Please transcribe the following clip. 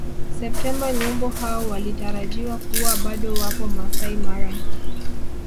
Septemba nyumbu hao walitarajiwa kuwa bado wapo Maasai Mara